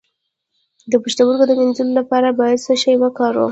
د پښتورګو د مینځلو لپاره باید څه شی وکاروم؟